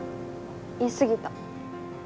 言い過ぎた。